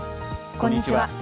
こんにちは。